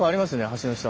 橋の下。